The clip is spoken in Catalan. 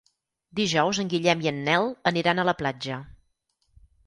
Dijous en Guillem i en Nel aniran a la platja.